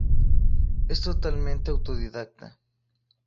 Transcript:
Es totalmente autodidacta.